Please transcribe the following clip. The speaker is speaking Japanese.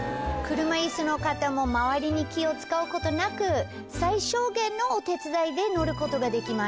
車椅子の方も周りに気を使うことなく最小限のお手伝いで乗ることができます。